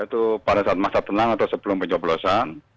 yaitu pada saat masa tenang atau sebelum pencobolosan